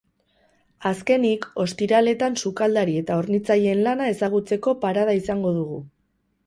Azkenik, ostiraletan sukaldari eta hornitzaileen lana ezagutzeko parada izango dugu.